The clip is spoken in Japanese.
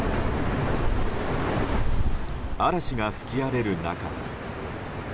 嵐が吹き荒れる中。